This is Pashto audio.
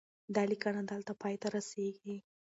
دا لیکنه دلته پای ته رسیږي.